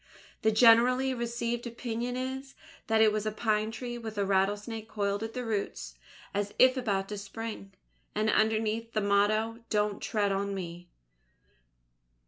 The generally received opinion is, that it was a Pine Tree with a rattlesnake coiled at the roots as if about to spring, and underneath the motto: DON'T TREAD ON ME!